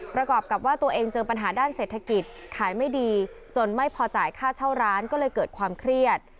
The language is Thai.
ประกอบกับว่าตัวเองเจอปัญหาด้านเศรษฐกิจขายไม่ดีจนไม่พอจ่ายค่าเช่าร้านก็เลยเกิดความเครียด